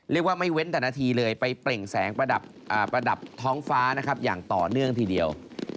เรียกว่าไม่เว้นแต่นาทีเลยไปเปล่งแสงประดับท้องฟ้านะครับอย่างต่อเนื่องทีเดียว